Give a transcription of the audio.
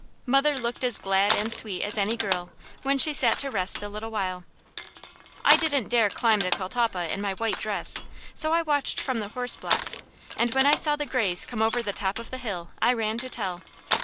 Mother looked as glad and sweet as any girl, when she sat to rest a little while. I didn't dare climb the catalpa in my white dress, so I watched from the horse block, and when I saw the grays come over the top of the hill, I ran to tell.